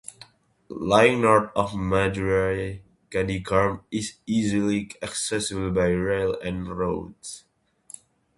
Lying north of Madurai, Gandhigram is easily accessible by rail and road.